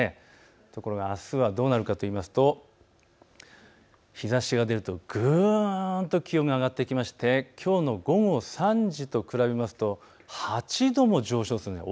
ところがあすはどうなるかといいますと、日ざしが出るとぐんと気温が上がってきましてきょうの午後３時と比べますと８度も上昇するんです。